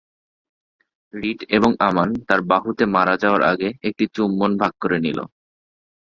Writ এবং আমান তার বাহুতে মারা যাওয়ার আগে একটি চুম্বন ভাগ করে নিল।